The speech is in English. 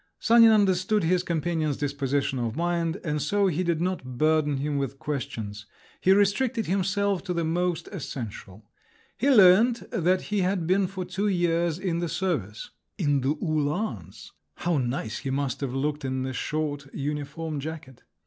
Sanin understood his companion's disposition of mind, and so he did not burden him with questions; he restricted himself to the most essential. He learnt that he had been for two years in the service (in the Uhlans! how nice he must have looked in the short uniform jacket!)